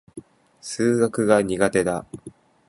数学が苦手だ。